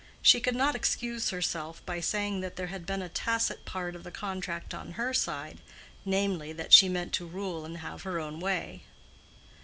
She could not excuse herself by saying that there had been a tacit part of the contract on her side—namely, that she meant to rule and have her own way.